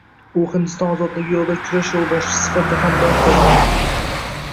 U Hindiston ozodligi yoʻlida kurash yoʻlboshchisi sifatida ham dong qozongan